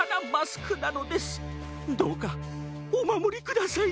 どうかおまもりください！